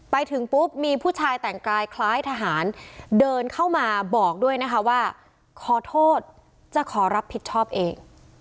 ไปถึงปุ๊บมีผู้ชายแต่งกายคล้ายทหารเดินเข้ามาบอกด้วยนะคะว่าขอโทษจะขอรับผิดชอบเอง